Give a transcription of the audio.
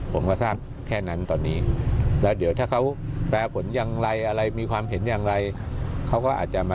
ผมก็ทราบแค่นั้นตอนนี้แล้วเดี๋ยวถ้าเขาแปรผลอย่างไรอะไรมีความเห็นอย่างไรเขาก็อาจจะมา